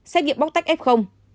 xét nghiệm bóc tách cao